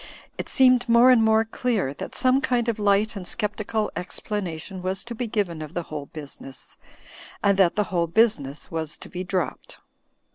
It seemed more and more clear that some kind of light and scep tical explanation was to be given of the whole business, and that the whole business was to be dropped.